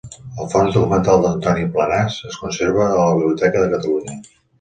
El fons documental d'Antoni Planàs es conserva a la Biblioteca de Catalunya.